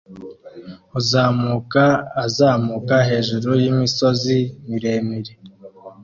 Uzamuka azamuka hejuru yimisozi miremire